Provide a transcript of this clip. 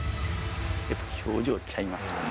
やっぱ表情ちゃいますよね。